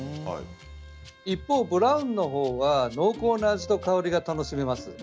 一方、ブラウンの方は濃厚な味と香りが楽しめます。